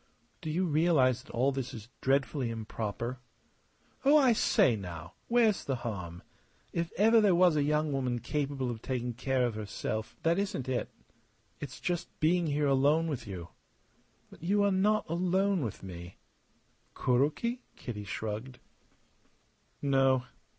"Do you realize that all this is dreadfully improper?" "Oh, I say, now! Where's the harm? If ever there was a young woman capable of taking care of herself " "That isn't it. It's just being here alone with you." "But you are not alone with me!" "Kuroki?" Kitty shrugged. "No.